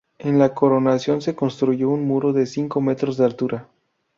En la coronación se construyó un muro de cinco metros de altura.